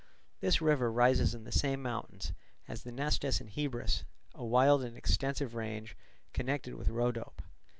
This river rises in the same mountains as the Nestus and Hebrus, a wild and extensive range connected with Rhodope.